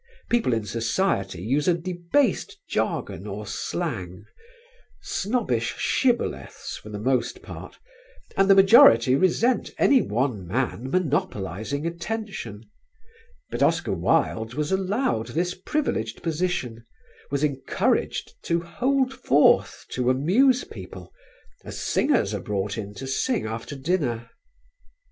People in society use a debased jargon or slang, snobbish shibboleths for the most part, and the majority resent any one man monopolising attention. But Oscar Wilde was allowed this privileged position, was encouraged to hold forth to amuse people, as singers are brought in to sing after dinner.